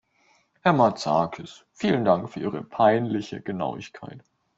Herr Matsakis, vielen Dank für Ihre peinliche Genauigkeit.